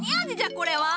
これは。